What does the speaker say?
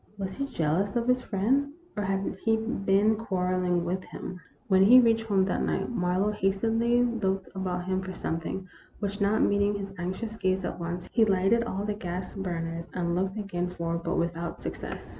Was he jealous of his friend, or had he been quarrelling with him ? When he reached home that night, Marlowe hastily looked about him for something, which, not meeting his anxious gaze at once, he lighte'd all the THE ROMANCE OF A SPOON. 193 gas burners and looked again for, but without suc cess.